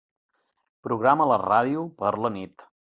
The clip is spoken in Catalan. Programa la ràdio per a la nit.